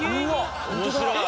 面白い！